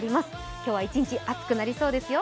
今日は一日暑くなりそうですよ。